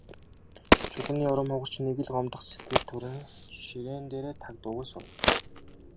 Чулууны урам хугарч, нэг л гомдох сэтгэл төрөн ширээн дээрээ таг дуугүй суув.